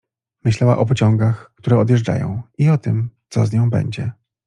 Myślała o pociągach, które odjeżdża ją, i o tym, co z nią będzie.